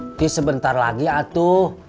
nanti sebentar lagi atuh